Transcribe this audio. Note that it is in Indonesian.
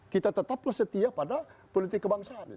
kita tetaplah setia pada politik kebangsaan